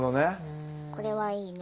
これはいいね。